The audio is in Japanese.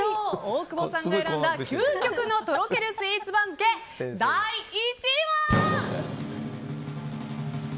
大久保さんが選んだ究極のとろけるスイーツ番付第１位は。